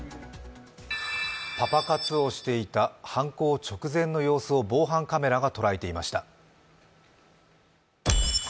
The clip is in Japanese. パパ活をしていた、犯行直前の様子を防犯カメラが捉えていました。